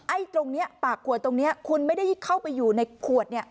ตรงนี้ปากขวดตรงนี้คุณไม่ได้เข้าไปอยู่ในขวดเนี่ย